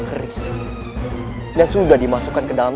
keris dan sudah dimasukkan